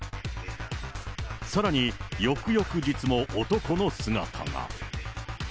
さらに翌々日も男の姿が。